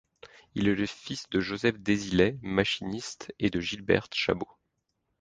Il est le fils de Joseph Désilets, machiniste, et de Gilberte Chabot.